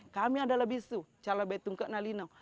kami adalah bisu calebetungka nalinau